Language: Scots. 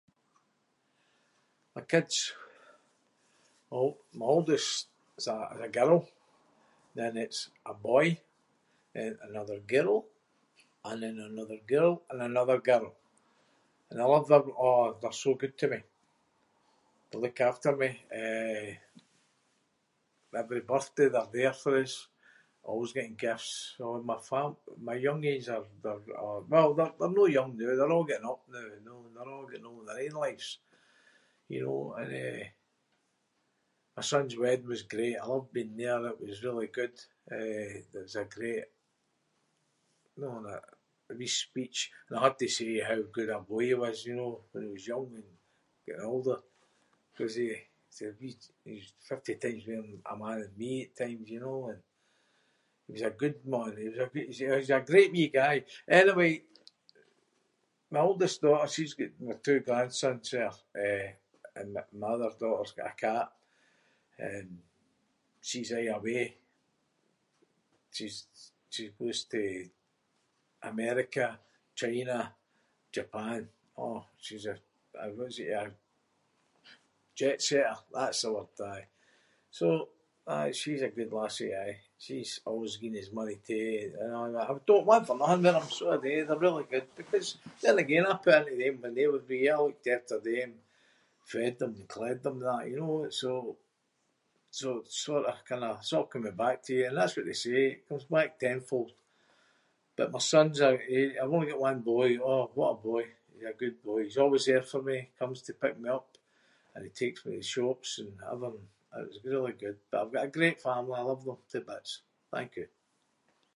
My kids? My ol- my oldest is a- is a girl. Then it’s a boy, then another girl and then another girl and another girl. And I love them- aw, they’re so good to me. They look after me. Eh, every birthday they’re there for us always getting gifts. So aye, my family- my- my young ains are- well they’re no young noo. They’re a’ getting up noo, know, and they’re a’ getting on with their own lives, you know. And eh, my son’s wedding was great. I loved being there. It was really good. Eh, it was a great [inc] and a wee speech and I had to say how good a boy he was, you know, when he was young and getting older ‘cause he- he’s a wee- he’s fifty times mair a man than me at times, you know? And he’s a good man. He- he’s a great wee guy. Anyway, my oldest daughter. She’s got my two grandsons there, eh, and my- my other daughter’s got a cat and she’s aie away. She's- she goes to America, China, Japan. Aw, she’s a- wh- what is it you are- jetsetter. That’s the word, aye. So, aye, she’s a good lassie. Aye. She’s always giving us money too and a’ tha- I do-want for nothing with them, so I do. They’re really good because- then again I put into them when they were wee. I looked after them. Fed them and clothed them and that, you know. So- so sort of- kinda- it's a’ coming back too. And that’s what they say. It comes back ten-fold. But my son’s a- he- I’ve only got one boy. Aw, what a boy. He's a good boy. He’s always there for me, comes to pick me up and he takes me to the shops and everything. It’s really good but I’ve got a great family. I love them to bits. Thank you.